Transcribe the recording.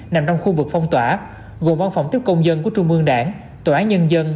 nằm trong khu vực phong tỏa gồm văn phòng tiếp công dân của trung ương đảng tòa án nhân dân